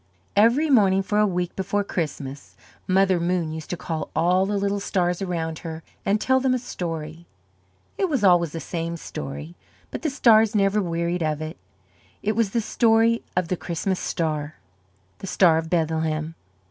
Every morning for a week before Christmas, Mother Moon used to call all the little stars around her and tell them a story. It was always the same story, but the stars never wearied of it. It was the story of the Christmas star the Star of Bethlehem.